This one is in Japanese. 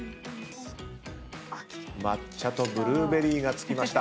抹茶とブルーベリーが付きました。